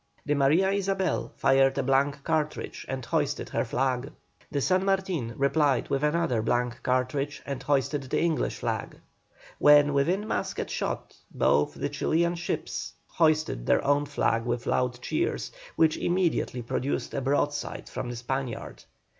The Maria Isabel fired a blank cartridge and hoisted her flag. The San Martin replied with another blank cartridge and hoisted the English flag. When within musket shot both the Chilian ships hoisted their own flag with loud cheers, which immediately produced a broadside from the Spaniard.